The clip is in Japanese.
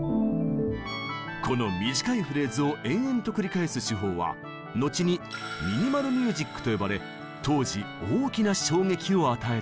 この短いフレーズを延々と繰り返す手法は後にミニマル・ミュージックと呼ばれ当時大きな衝撃を与えたのです。